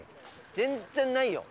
全然ないよ。